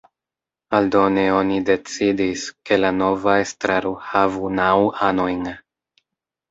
Aldone oni decidis, ke la nova estraro havu naŭ anojn.